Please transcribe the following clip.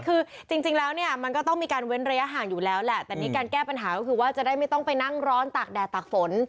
คือจริงแล้วเนี่ยมันก็ต้องมีการเว้นระยะห่างอยู่แล้วแหละแต่นี่การแก้ปัญหาก็คือว่าจะได้ไม่ต้องไปนั่งร้อนตากแดดตากฝน